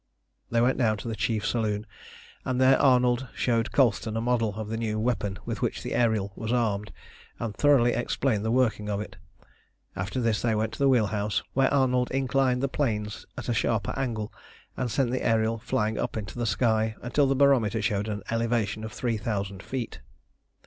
They went down into the chief saloon, and there Arnold showed Colston a model of the new weapon with which the Ariel was armed, and thoroughly explained the working of it. After this they went to the wheel house, where Arnold inclined the planes at a sharper angle, and sent the Ariel flying up into the sky, until the barometer showed an elevation of three thousand feet.